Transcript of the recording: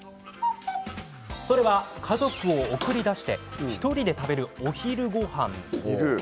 それは家族を送り出して１人で食べるお昼ごはん。